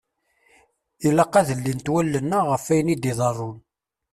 Ilaq ad llint wallen-nneɣ ɣef ayen i d-iḍeṛṛun.